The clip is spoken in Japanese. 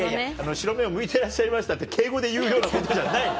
白目むいてらっしゃいましたって敬語で言うようなことじゃないの。